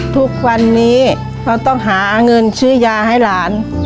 ทุกวันนี้เขาต้องหาเงินซื้อยาให้หลาน